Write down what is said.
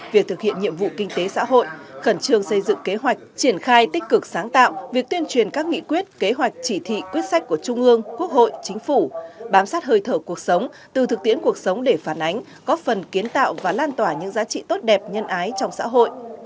việc thực hiện nhiệm vụ kinh tế xã hội khẩn trương xây dựng kế hoạch triển khai tích cực sáng tạo việc tuyên truyền các nghị quyết kế hoạch chỉ thị quyết sách của trung ương quốc hội chính phủ bám sát hơi thở cuộc sống từ thực tiễn cuộc sống để phản ánh góp phần kiến tạo và lan tỏa những giá trị tốt đẹp nhân ái trong xã hội